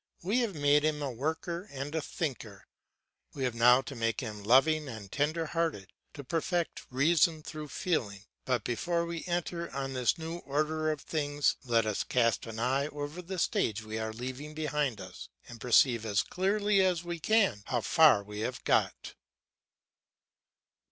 We have made him a worker and a thinker; we have now to make him loving and tender hearted, to perfect reason through feeling. But before we enter on this new order of things, let us cast an eye over the stage we are leaving behind us, and perceive as clearly as we can how far we have got.